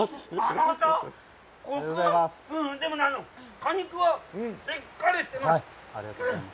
果肉はしっかりしてます。